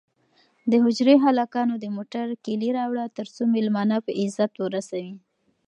د حجرې هلکانو د موټر کیلي راوړه ترڅو مېلمانه په عزت ورسوي.